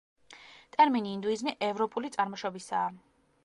ტერმინი ინდუიზმი ევროპული წარმოშობისაა.